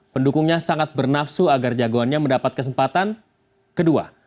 pendukungnya sangat bernafsu agar jagoannya mendapat kesempatan kedua